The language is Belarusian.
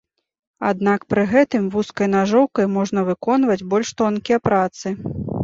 Аднак пры гэтым, вузкай нажоўкай можна выконваць больш тонкія працы.